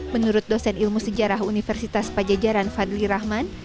menurut dosen ilmu sejarah universitas pajajaran fadli rahman